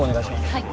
はい。